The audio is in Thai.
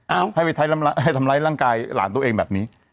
เอาให้ไปทำร้ายร่างกายหลานตัวเองแบบนี้